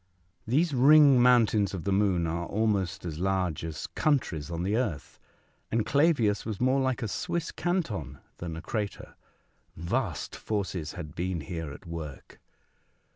These ring mountains of the moon are almost as large as countries on the earth, and Clavius was more like a Swiss canton than a crater. Vast forces had been here at work